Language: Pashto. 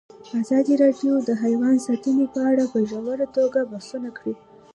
ازادي راډیو د حیوان ساتنه په اړه په ژوره توګه بحثونه کړي.